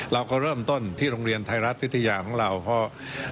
เราก็เริ่มต้นที่โรงเรียนไทยรัฐวิทยาของเราเพราะ